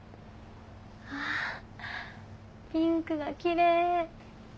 わあピンクがきれい！